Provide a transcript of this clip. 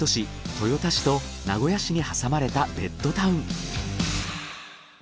豊田市と名古屋市に挟まれたベッドタウン。